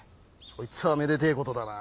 そいつはめでてえ事だな。